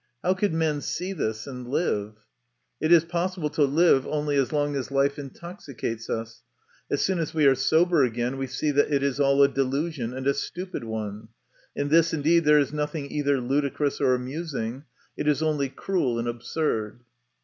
How could men see this and live? It is possible to live only as long as life intoxicates us ; as soon as we are sober again we see that it is all a delusion, and a stupid one ! In this, indeed, there is nothing either ludicrous or amusing ; it is only cruel and absurd.